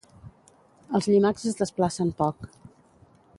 Els llimacs es desplacen poc.